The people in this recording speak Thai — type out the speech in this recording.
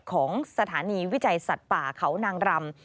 ของสถานีวิจัยสัตว์ป่าเขานางรำ